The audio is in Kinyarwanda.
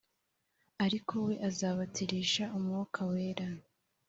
ariko we azabatirisha umwuka wera